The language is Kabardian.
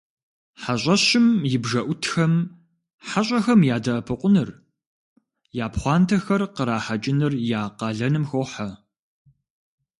Хьэщӏэщым и бжэӏутхэм хьэщӏэхэм ядэӏэпыкъуныр, я пхъуантэхэр кърахьэкӏыныр я къалэным хохьэ.